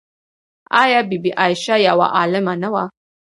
آیا بی بي عایشه یوه عالمه نه وه؟